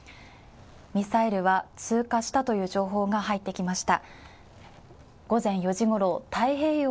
ミサイルは通過したという情報が入ってきました。